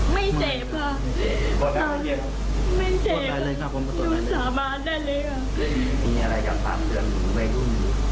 แม่ก็ตามเพลินน่ะหญ้าเรื่องไม่รู้อยู่